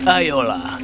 ayolah satu satunya cara